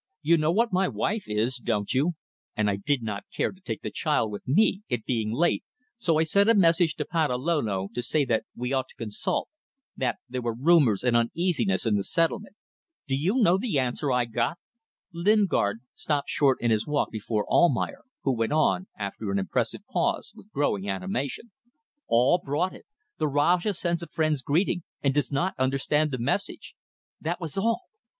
You know what my wife is, don't you? And I did not care to take the child with me it being late so I sent a message to Patalolo to say that we ought to consult; that there were rumours and uneasiness in the settlement. Do you know what answer I got?" Lingard stopped short in his walk before Almayer, who went on, after an impressive pause, with growing animation. "All brought it: 'The Rajah sends a friend's greeting, and does not understand the message.' That was all.